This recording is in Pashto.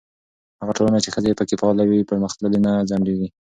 هغه ټولنه چې ښځې پکې فعاله وي، پرمختګ نه ځنډېږي.